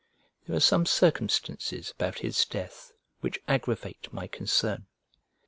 There are some circumstances about his death, which aggravate my concern.